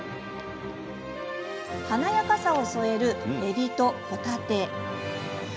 華やかさを添えるえびとほたて。